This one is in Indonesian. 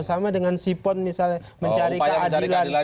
sama dengan sipon misalnya mencari keadilan